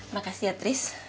makasih ya tris